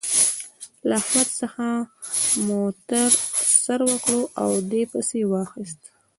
له احمد څخه موتر سر وکړ او دې پسې واخيست.